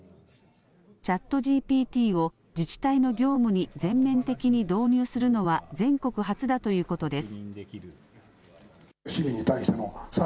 ＣｈａｔＧＰＴを自治体の業務に全面的に導入するのは全国初だということです。